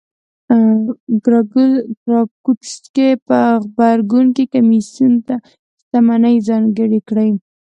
ګراکچوس په غبرګون کې کمېسیون ته شتمنۍ ځانګړې کړې